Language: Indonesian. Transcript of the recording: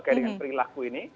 terkait dengan perilaku ini